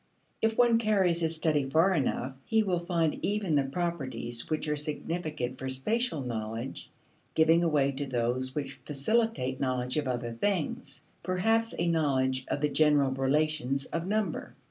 If one carries his study far enough, he will find even the properties which are significant for spatial knowledge giving way to those which facilitate knowledge of other things perhaps a knowledge of the general relations of number.